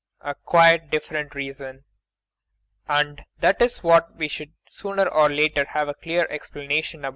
A quite different reason. And that is what we must sooner or later have a clear explanation about.